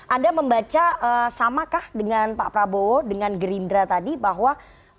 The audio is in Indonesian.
anda membaca samakah dengan pak prabowo dengan gerindra tadi bahwa